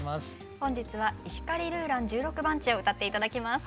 本日は「石狩ルーラン十六番地」を歌って頂きます。